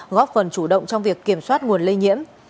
góp phần chủ động trong việc kiểm soát nguồn lây nhiễm